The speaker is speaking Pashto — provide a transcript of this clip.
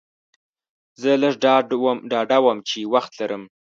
زه لږ ډاډه وم چې وخت لرم.